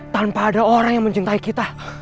tanpa ada orang yang mencintai kita